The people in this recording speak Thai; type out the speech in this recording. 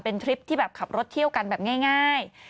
เป็นทริปที่แบบขับรถเที่ยวกันแบบง่าย